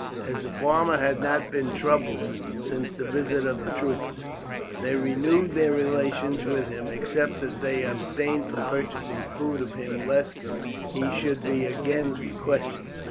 As the farmer had not been troubled since the visit of the troopers, they renewed their relations with him, except that they abstained from purchasing food of him lest he should be again questioned.